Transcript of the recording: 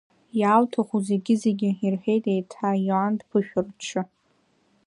Иаауҭаху зегьы-зегьы, — иҳәеит еиҭа Иоан дԥышәырччо.